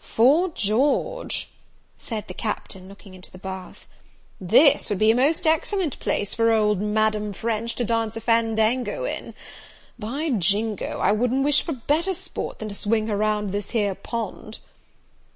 "'Fore George," said the Captain, looking into the bath, "this would be a most excellent place for old Madame French to dance a fandango in! By Jingo, I wou'dn't wish for better sport than to swing her round this here pond!"